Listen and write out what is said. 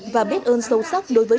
và biết ơn sâu sắc đối với